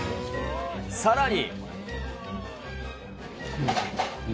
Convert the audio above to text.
さらに。